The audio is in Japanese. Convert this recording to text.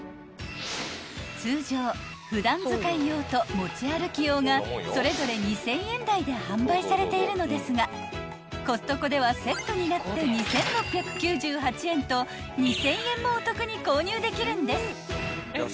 ［通常普段使い用と持ち歩き用がそれぞれ２，０００円台で販売されているのですがコストコではセットになって２，６９８円と２，０００円もお得に購入できるんです］